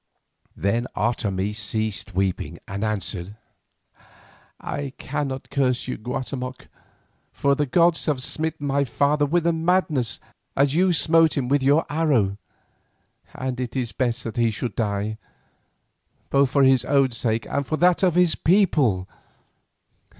Then Otomie ceased weeping and answered: "I cannot curse you, Guatemoc, for the gods have smitten my father with a madness as you smote him with your arrow, and it is best that he should die, both for his own sake and for that of his people.